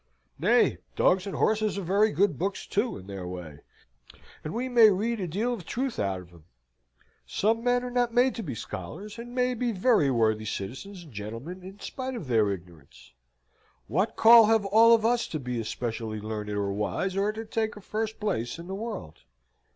"Nay. Dogs and horses are very good books, too, in their way, and we may read a deal of truth out of 'em. Some men are not made to be scholars, and may be very worthy citizens and gentlemen in spite of their ignorance. What call have all of us to be especially learned or wise, or to take a first place in the world?